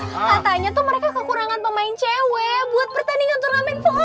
katanya tuh mereka kekurangan pemain cewek buat pertandingan turnamen empat